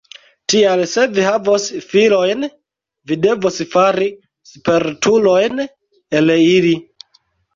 Tial, se vi havos filojn vi devos fari spertulojn el ili.